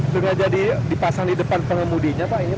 sudah jadi dipasang di depan pengemudinya pak